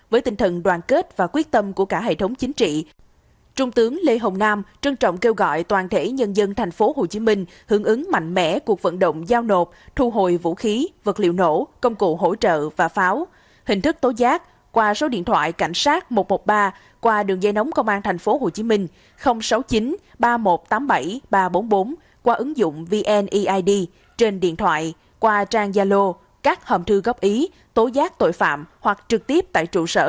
với tinh thần đoàn kết và quyết tâm của cả hệ thống chính trị trung tướng lê hồng nam trân trọng kêu gọi toàn thể nhân dân tp hcm hướng ứng mạnh mẽ cuộc vận động giao nộp thu hồi vũ khí vật liều nổ công cụ hỗ trợ và pháo hình thức tố giác qua số điện thoại cảnh sát một trăm một mươi ba qua đường dây nóng công an tp hcm sáu mươi chín ba nghìn một trăm tám mươi bảy ba trăm bốn mươi bốn qua ứng dụng vneid trên điện thoại qua trang gia lô các hầm thư góp ý tố giác tội phạm hoặc trực tiếp tại trụ sở